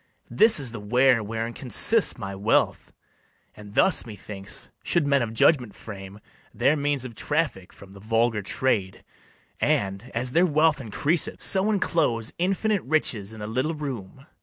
This is the ware wherein consists my wealth; And thus methinks should men of judgment frame Their means of traffic from the vulgar trade, And, as their wealth increaseth, so inclose Infinite riches in a little room.